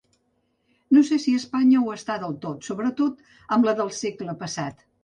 No sé si Espanya ho està del tot, sobretot amb la del segle passat.